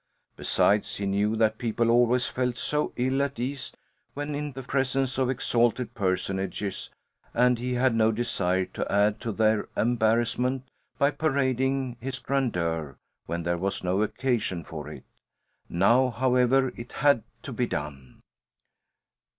Besides, he knew that people always felt so ill at ease when in the presence of exalted personages and he had no desire to add to their embarrassment by parading his grandeur when there was no occasion for it. Now, however, it had to be done.